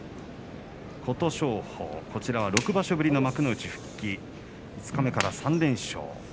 琴勝峰、こちらは６場所ぶりの幕内復帰五日目から３連勝。